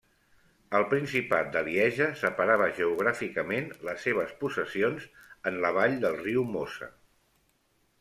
El principat de Lieja separava geogràficament les seves possessions en la vall del riu Mosa.